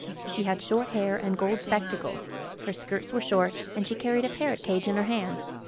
She had short hair and gold spectacles. Her skirts were short, and she carried a parrot cage in her hand.